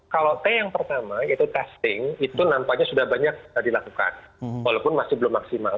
kalau t yang pertama itu testing itu nampaknya sudah banyak dilakukan walaupun masih belum maksimal